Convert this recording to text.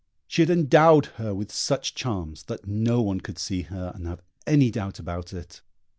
She had endowed her with such charms that no one could see her and have any doubt about it.